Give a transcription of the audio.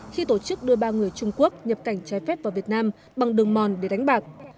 khi tổ chức đưa ba người trung quốc nhập cảnh trái phép vào việt nam bằng đường mòn để đánh bạc